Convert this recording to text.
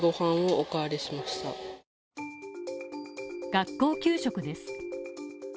学校給食です。